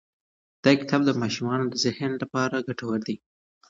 دا کتاب د ماشومانو د ذهن لپاره ډېر ګټور دی.